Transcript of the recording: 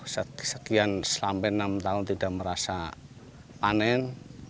sekian sampai enam tahun tidak merasa panen